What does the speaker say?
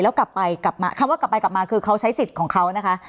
แล้วกลับไปกลับมาคำว่ากลับไปกลับมาคือเขาใช้สิทธิ์ของเขานะคะ